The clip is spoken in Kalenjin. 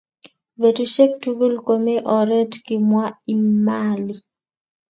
Betusiek tugul komi oret kimwa Emali